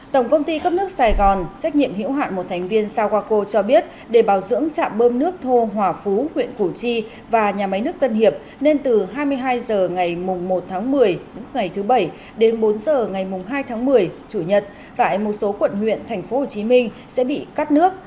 tổng công ty cấp nước sài gòn trách nhiệm hiểu hạn một thành viên sawako cho biết để bảo trì nhà máy nước tân hiệp nên từ hai mươi hai h ngày mùng một tháng một mươi ngày thứ bảy đến bốn h ngày mùng hai tháng một mươi chủ nhật tại một số quận huyện tp hcm sẽ bị cắt nước